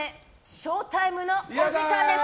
ショータイムのお時間です！